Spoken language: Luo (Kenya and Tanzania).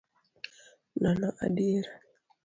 Nono adier.